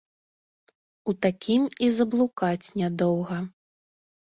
У такім і заблукаць нядоўга!